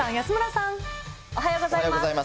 おはようございます。